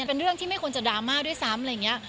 เป็นเรื่องที่ไม่ควรจะดราม่าด้วยซ้ำอะไรอย่างนี้